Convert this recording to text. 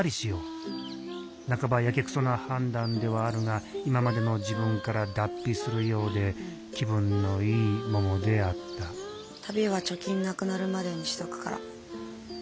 半ばやけくそな判断ではあるが今までの自分から脱皮するようで気分のいいももであった旅は貯金なくなるまでにしとくから。